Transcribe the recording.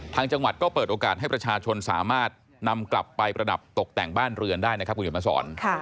ทางจังหวัดก็เปิดโอกาสให้ประชาชนสามารถนำกลับไปประดับตกแต่งบ้านเรือนได้นะครับคุณเขียนมาสอน